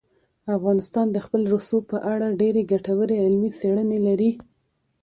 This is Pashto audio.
افغانستان د خپل رسوب په اړه ډېرې ګټورې علمي څېړنې لري.